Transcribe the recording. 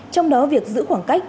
trong đó việc giữ khoảng cách